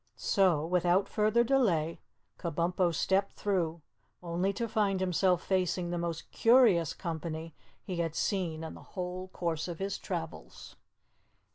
So, without further delay, Kabumpo stepped through, only to find himself facing the most curious company he had seen in the whole course of his travels.